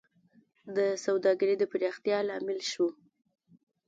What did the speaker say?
د سوداګرۍ د پراختیا لامل شوه